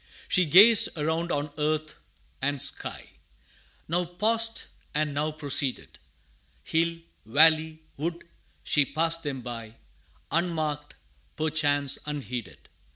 She gazed around on earth and sky Now paused, and now proceeded; Hill, valley, wood, she passed them by, Unmarked, perchance unheeded.